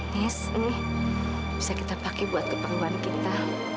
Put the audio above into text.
nis ini bisa kita pakai buat kebanggaan kita